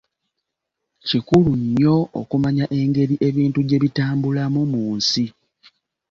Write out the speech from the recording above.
Kikulu nnyo okumanya engeri ebintu gye bitambulamu mu nsi.